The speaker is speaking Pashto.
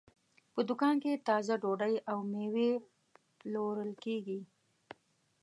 په دوکان کې تازه ډوډۍ او مېوې پلورل کېږي.